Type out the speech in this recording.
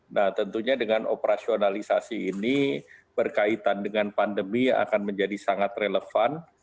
nah tentunya dengan operasionalisasi ini berkaitan dengan pandemi akan menjadi sangat relevan